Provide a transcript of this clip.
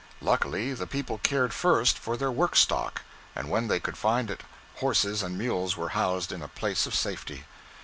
Luckily the people cared first for their work stock, and when they could find it horses and mules were housed in a place of safety.